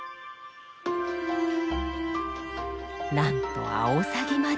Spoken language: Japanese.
なんとアオサギまで！